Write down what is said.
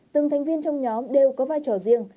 từng thành viên trong nhóm đều có vai trò riêng